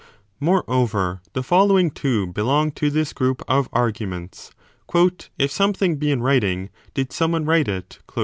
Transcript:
Moreover, the following too belong to this group of arguments. If something be in writing did some one write 25 it